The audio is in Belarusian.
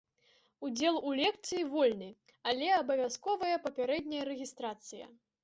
Удзел у лекцыі вольны, але абавязковая папярэдняя рэгістрацыя.